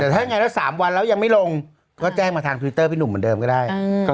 แต่ถ้ายังไงแล้ว๓วันแล้วยังไม่ลงก็แจ้งมาทางทวิตเตอร์พี่หนุ่มเหมือนเดิมก็ได้